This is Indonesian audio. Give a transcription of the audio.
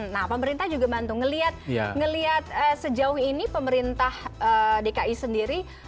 nah pemerintah juga bantu melihat sejauh ini pemerintah dki sendiri